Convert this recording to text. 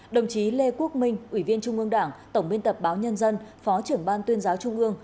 đồng chí lê quốc minh ủy viên trung ương đảng tổng biên tập báo nhân dân phó trưởng ban tuyên giáo trung ương